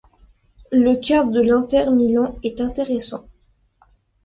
Le cas de l'Inter Milan est intéressant.